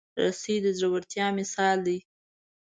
رسۍ د زړورتیا مثال دی.